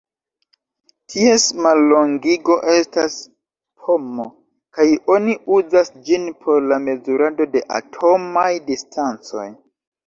Ties mallongigo estas pm kaj oni uzas ĝin por la mezurado de atomaj distancoj.